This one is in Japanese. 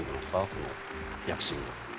この躍進を。